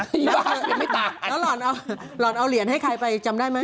นี่บ้ายังไม่ต่างกันแล้วหล่อนเอาเหรียญให้ใครไปจำได้ไหม